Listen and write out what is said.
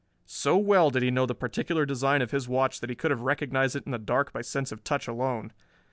So well did he know the particular design of his watch that he could have recognized it in the dark by sense of touch alone.